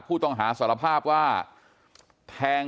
กลุ่มตัวเชียงใหม่